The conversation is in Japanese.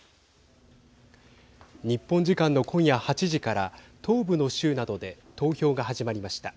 日本時間の今夜８時から東部の州などで投票が始まりました。